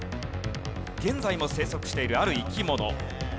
現在も生息しているある生き物。